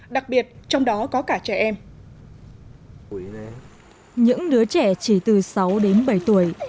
đặc biệt trong đó có cả trẻ em những đứa trẻ chỉ từ sáu đến bảy tuổi